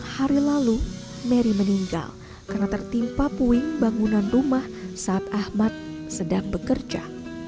hari lalu mary meninggal karena tertimpa puing bangunan rumah saat ahmad sedang bekerja